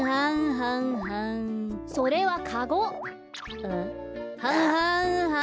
はんはんはんはん。